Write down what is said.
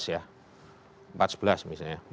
ya empat sebelas misalnya